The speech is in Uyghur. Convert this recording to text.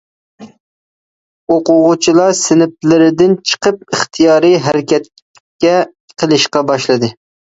ئوقۇغۇچىلار سىنىپلىرىدىن چىقىپ ئىختىيارى ھەرىكەتكە قىلىشقا باشلىدى.